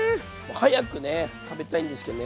早くね食べたいんですけどね